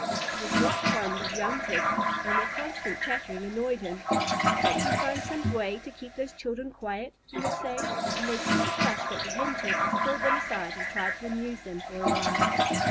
He was not fond of young Turkeys, and their constant chattering annoyed him. "Can't you find some way to keep those children quiet?" he would say, and made such a fuss that the Hen Turkeys called them aside and tried to amuse them for a while.